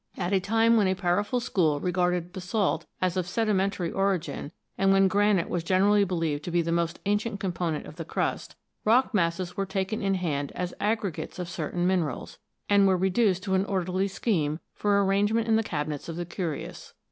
At a time when a powerful school regarded basalt as of sedimentary origin, and when granite was generally believed to be the most ancient component of the crust, rock masses were taken in hand as aggregates of certain minerals, and were reduced to an orderly scheme for arrangement in the cabinets of the curious.